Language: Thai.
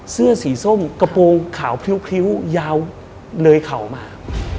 เสื้อสีส้มกระโปรงขาวพริ้วยาวเนยเข่ามา